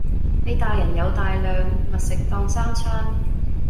你大人有大量，密食當三餐